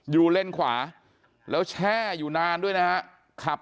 อยู่เล่นขวาแล้วแช่อยู่นานด้วยนะครับ